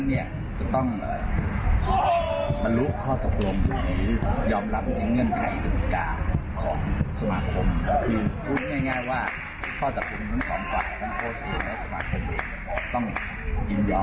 เราต้องยืนยอมพร้อมใจด้วยทั้งทั้งสามความทิว